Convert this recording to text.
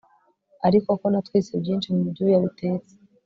ariko ko natwitse byinshi mubyuya bitetse